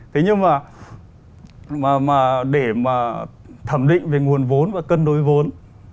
thế nhưng mà để mà thẩm định về nguồn vốn và cân đối vốn